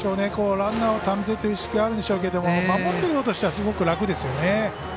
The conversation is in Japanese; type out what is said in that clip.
ランナーをためてという意識があるんでしょうけど守っているほうとしてはすごく楽ですよね。